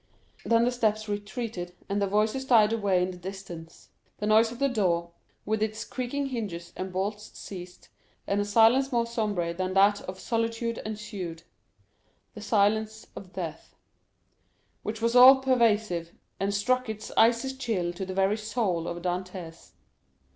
Then the steps retreated, and the voices died away in the distance; the noise of the door, with its creaking hinges and bolts ceased, and a silence more sombre than that of solitude ensued,—the silence of death, which was all pervasive, and struck its icy chill to the very soul of Dantès.